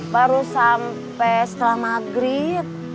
baru sampai setelah maghrib